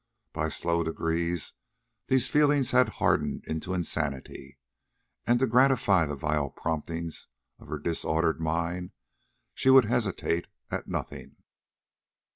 By slow degrees these feelings had hardened into insanity, and to gratify the vile promptings of her disordered mind she would hesitate at nothing.